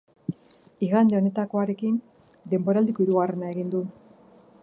Igande honetakoarekin, denboraldiko hirugarrena egin du.